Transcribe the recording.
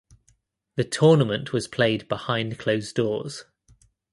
The tournament was played behind closed doors.